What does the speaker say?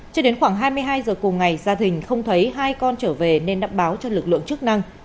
cho đến khoảng hai mươi hai giờ cùng ngày gia đình không thấy hai con trở về nên đã báo cho lực lượng chức năng